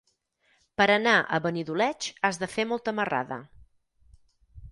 Per anar a Benidoleig has de fer molta marrada.